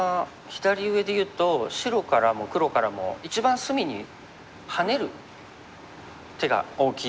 左上でいうと白からも黒からも一番隅にハネる手が大きいんですよ。